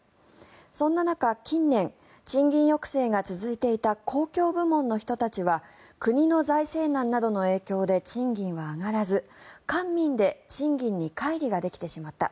そんな中、近年賃金抑制が続いていた公共部門の人たちは国の財政難などの影響で賃金は上がらず官民で賃金にかい離ができてしまった。